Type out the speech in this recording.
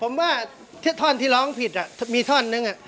ผมว่าแค่ท่อนที่ร้องผิดมีท่อนนึง